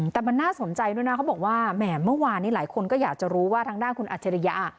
แต่มันน่าสนใจด้วยนะเขาบอกว่าแหมเมื่อวานนี้หลายคนก็อยากจะรู้ว่าทางด้านคุณอัจฉริยะ